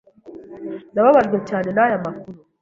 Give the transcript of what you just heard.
Nababajwe cyane naya makuru.